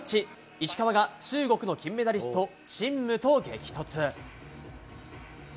石川が中国の金メダリストチン・ムと激突。